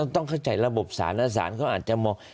ต้องเข้าใจระบบสารและสารเขาอาจจะมอง